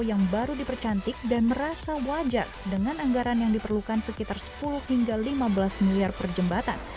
yang baru dipercantik dan merasa wajar dengan anggaran yang diperlukan sekitar sepuluh hingga lima belas miliar per jembatan